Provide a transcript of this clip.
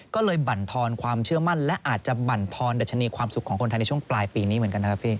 ก็เลยบรรทอนความเชื่อมั่นและอาจจะบรรทอนดัชนีความสุขของคนไทยในช่วงปลายปีนี้เหมือนกันนะครับพี่